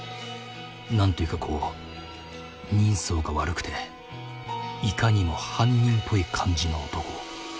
何と言うかこう人相が悪くていかにも犯人っぽい感じの男を。